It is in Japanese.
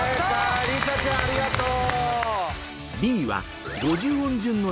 りさちゃんありがとう。